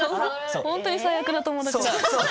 本当に最悪な友達。